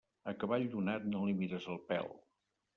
A cavall donat no li mires el pèl.